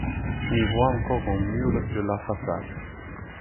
On y voit encore un mur de la façade.